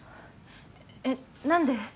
えっ何で？